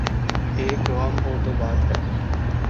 ایک غم ہو تو بات ہے۔